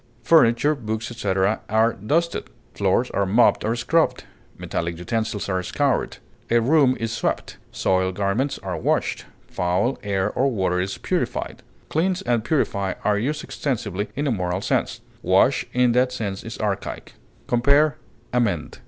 Furniture, books, etc., are dusted; floors are mopped or scrubbed; metallic utensils are scoured; a room is swept; soiled garments are washed; foul air or water is purified. Cleanse and purify are used extensively in a moral sense; wash in that sense is archaic. Compare AMEND.